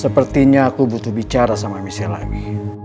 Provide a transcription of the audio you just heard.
sepertinya aku butuh bicara sama mc lagi